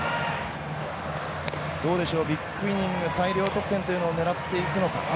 どうでしょうビッグイニング大量得点というのを狙っていくのか。